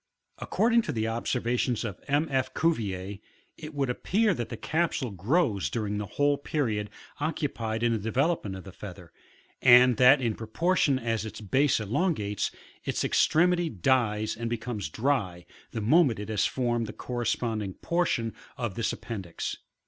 According to the observations of M. F. Cuvier, it would appear that the capsule grows during the whole period occupied in the developement of the feather, and that in proportion as its base elongates, its extremity dies and becomes dry, the moment it has formed the corresponding portion of this appendix.